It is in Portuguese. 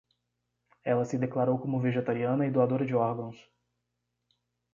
Ela se declarou como vegetariana e doadora de órgãos